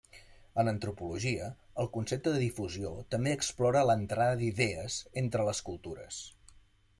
En antropologia, el concepte de difusió també explora l'entrada d'idees entre les cultures.